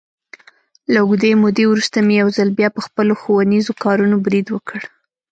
له اوږدې مودې ورسته مې یو ځل بیا، په خپلو ښوونیزو کارونو برید وکړ.